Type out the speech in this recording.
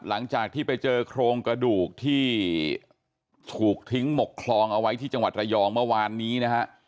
หลังจากที่ไปเจอโครงกระดูกที่ถูกทิ้งหมกคลองเอาไว้ที่จังหวัดระยองเมื่อวานนี้นะฮะ